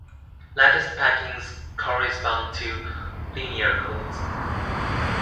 Lattice packings correspond to linear codes.